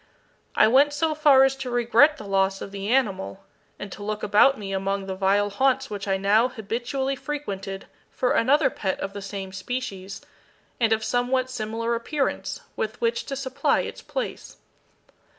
I went so far as to regret the loss of the animal, and to look about me among the vile haunts which I now habitually frequented for another pet of the same species, and of somewhat similar appearance, with which to supply its place.